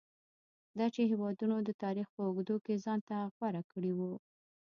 دا چې هېوادونو د تاریخ په اوږدو کې ځان ته غوره کړي وو.